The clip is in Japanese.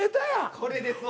これですわ。